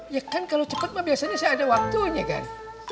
ya kan kalau cepet mah biasanya saya ada waktunya kan